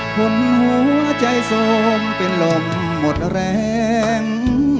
คุณหัวใจทรงเป็นลมหมดแรง